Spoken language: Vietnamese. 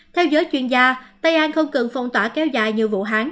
theo giới chuyên gia tây an không cần phong tỏa kéo dài như vũ hán